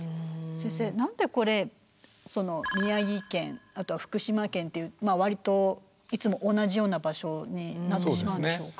先生何でこれ宮城県あとは福島県っていう割といつも同じような場所になってしまうんでしょうか。